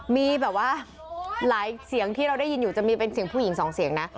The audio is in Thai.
มีแบบว่าหลายเสียงที่เราได้ยินอยู่จะมีเป็นเสียงผู้หญิงสองเสียงนะ